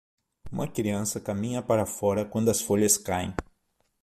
Uma criança caminha para fora quando as folhas caem.